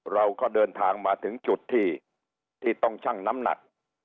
เราก็เดินทางมาถึงจุดที่ต้องชั่งน้ำหนัก